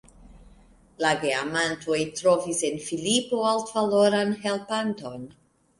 La geamantoj trovis en Filipo altvaloran helpanton.